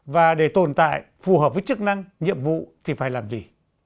và để tồn tại phù hợp với chức năng nhiệm vụ thì phải làm gì